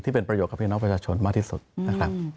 เป็นประโยชนกับพี่น้องประชาชนมากที่สุดนะครับ